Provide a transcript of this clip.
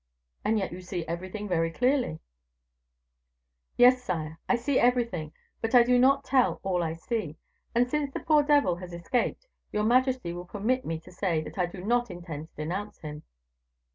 "And yet you see everything very clearly." "Yes, sire, I see everything; but I do not tell all I see; and, since the poor devil has escaped, your majesty will permit me to say that I do not intend to denounce him."